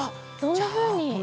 どんなふうに。